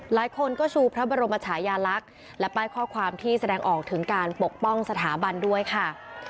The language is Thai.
หลายคนก็ชูพระบรมชายาลักษณ์และป้ายข้อความที่แสดงออกถึงการปกป้องสถาบันด้วยค่ะ